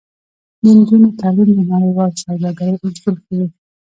د نجونو تعلیم د نړیوال سوداګرۍ اصول ښيي.